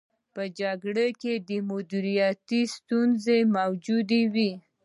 په جګړه کې د مدیریت ستونزې موجودې وې.